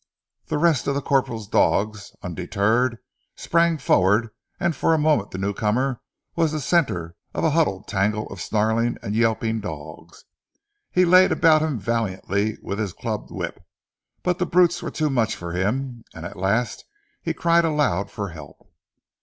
The rest of the corporal's dogs, undeterred, sprang forward, and for a moment the new comer was the centre of a huddled tangle of snarling and yelping dogs. He laid about him valiantly with his clubbed whip, but the brutes were too much for him, and at last he cried aloud for help.